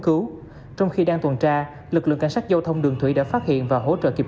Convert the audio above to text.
cứu trong khi đang tuần tra lực lượng cảnh sát giao thông đường thủy đã phát hiện và hỗ trợ kịp